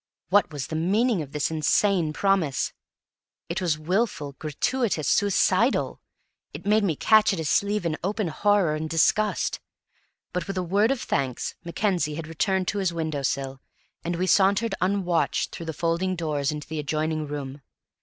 What was the meaning of this insane promise? It was wilful, gratuitous, suicidal; it made me catch at his sleeve in open horror and disgust; but, with a word of thanks, Mackenzie had returned to his window sill, and we sauntered unwatched through the folding doors into the adjoining room.